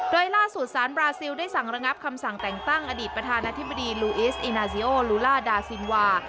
โดยล่าสุดสารบราซิลได้สั่งระงับคำสั่งแต่งตั้งอดีตประธานาธิบดีลูอิสอินาซิโอลูล่าดาซินวา